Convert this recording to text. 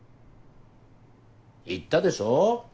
言ったでしょ？